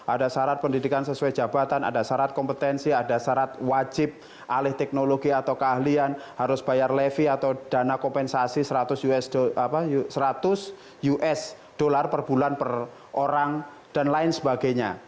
ada syarat pendidikan sesuai jabatan ada syarat kompetensi ada syarat wajib alih teknologi atau keahlian harus bayar levy atau dana kompensasi seratus usd per bulan per orang dan lain sebagainya